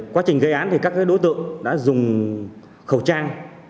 quá trình gây án thì các đối tượng đã dùng khẩu trang